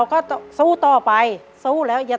หนึ่งหมื่นหนึ่งหมื่น